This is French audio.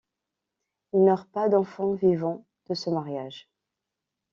Ils n'eurent pas d'enfant vivant de ce mariage.